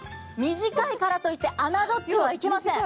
短いからといってあなどってはいけません。